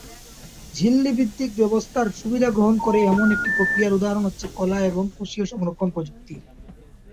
ঝিল্লি-ভিত্তিক ব্যবস্থার সুবিধা গ্রহণ করে এমন একটি প্রক্রিয়ার উদাহরণ হচ্ছে "কলা এবং কোষীয় সংরক্ষণ প্রযুক্তি"।